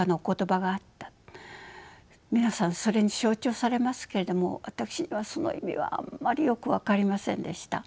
皆さんそれに象徴されますけれども私にはその意味はあんまりよく分かりませんでした。